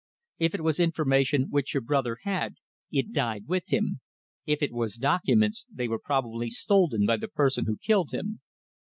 If it was information which your brother had, it died with him. If it was documents, they were probably stolen by the person who killed him."